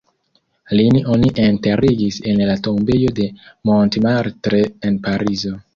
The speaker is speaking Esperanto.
Lin oni enterigis en la tombejo de Montmartre en Parizo.